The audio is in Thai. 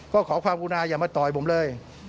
ก็ขอความกุณาอย่ามาต่อยผมเลย